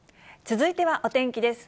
続いてはお天気です。